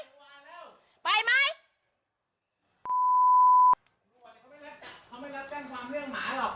เขาไม่รับแจ้งความเลี่ยงหมาหรอก